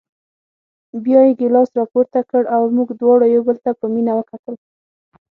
بیا یې ګیلاس راپورته کړ او موږ دواړو یو بل ته په مینه وکتل.